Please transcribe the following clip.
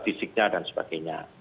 fisiknya dan sebagainya